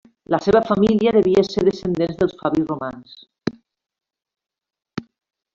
La seva família deia ser descendents dels Fabis romans.